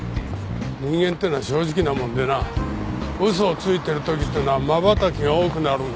人間っていうのは正直なもんでな嘘をついてる時っていうのはまばたきが多くなるんだよ。